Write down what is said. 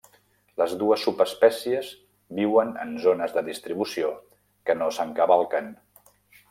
Les dues subespècies viuen en zones de distribució que no s'encavalquen.